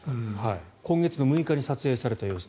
今月６日に撮影された様子。